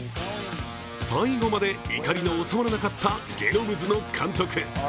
最後まで怒りの収まらなかったゲノムズの監督。